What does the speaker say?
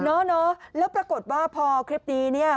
เนาะแล้วปรากฏว่าพอคลิปนี้เนี่ย